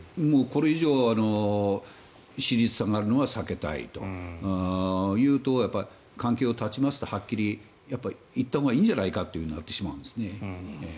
これ以上、支持率が下がるのは避けたいというと関係を断ちますとはっきり言ったほうがいいんじゃないかとなってしまうんですね。